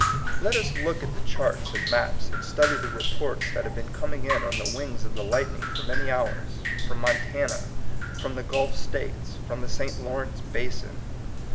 Let us look at the charts and maps, and study the reports that have been coming in on the wings of the lightning for many hours, from Montana, from the Gulf States, from the St. Lawrence basin.